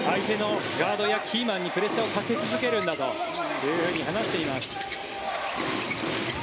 ガードやキーマンにプレッシャーをかけ続けるんだと話しています。